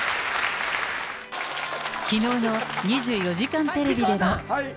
きのうの２４時間テレビでは。